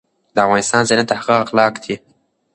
د انسان زينت د هغه اخلاق دي